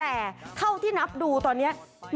แต่เท่าที่นับดูตอนนี้